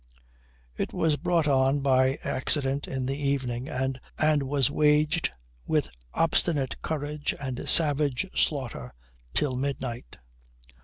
It was brought on by accident in the evening, and was waged with obstinate courage and savage slaughter till midnight.